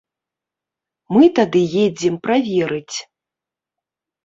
Мы тады едзем праверыць.